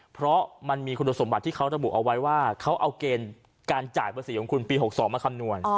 เพราะมันมีคุณสมบัติที่เขาระบุเอาไว้ว่าเขาเอาเกณฑ์การจ่ายภาษีของคุณปี๖๒มาคำนวณ